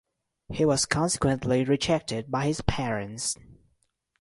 He was consequently rejected by his parents.